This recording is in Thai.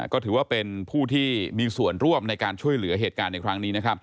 ก็ถือว่าเป็นผู้ที่มีส่วนร่วมในการช่วยเหลือเหตุการณ์ในครั้งนี้